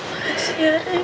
makasih ya rik